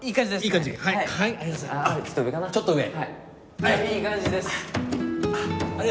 いい感じです！